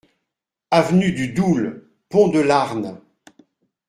Avenue du Doul, Pont-de-Larn